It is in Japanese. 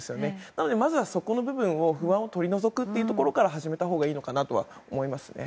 なので、まずはそこの部分の不安を取り除くという始めたほうがいいのかなとは思いますね。